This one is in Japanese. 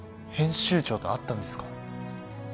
編集長と会ったんですか？